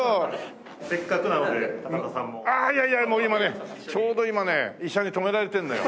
せっかくなので高田さんも。いやいやもう今ねちょうど今ね医者に止められてるのよ。